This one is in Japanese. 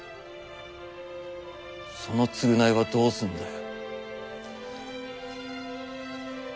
その償いはどうすんだよ。